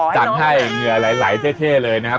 มันให้เหนือหลายเท่เลยนะครับ